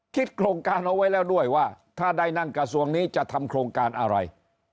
โครงการเอาไว้แล้วด้วยว่าถ้าได้นั่งกระทรวงนี้จะทำโครงการอะไร